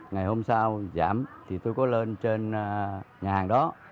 ngày hôm sau giảm thì tôi có lên trên nhà hàng đó